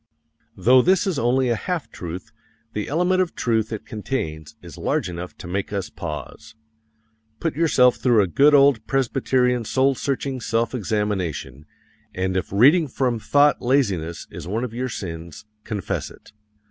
Though this is only a half truth, the element of truth it contains is large enough to make us pause. Put yourself through a good old Presbyterian soul searching self examination, and if reading from thought laziness is one of your sins, confess it.